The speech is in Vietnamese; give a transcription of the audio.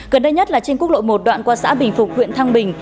gần đây nhất là trên quốc lộ một đoạn qua xã bình phục huyện thăng bình